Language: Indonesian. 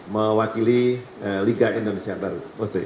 mewakili liga indonesia baru